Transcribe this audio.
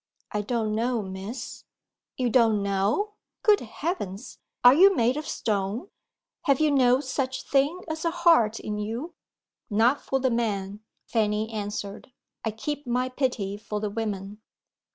"I don't know, Miss." "You don't know? Good heavens, are you made of stone? Have you no such thing as a heart in you?" "Not for the men," Fanny answered. "I keep my pity for the women."